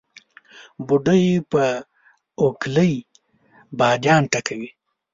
بوډۍ په اوکلۍ باديان ټکول.